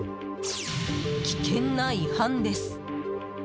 危険な違反です。